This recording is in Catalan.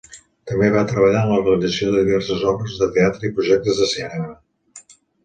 També va treballar en la realització de diverses obres de teatre i projectes de cinema.